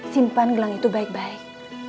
simpan gelang itu baik baik